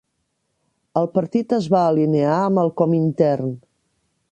El partit es va alinear amb el Comintern.